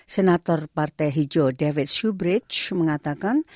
senator partai hijau david subridge mengatakan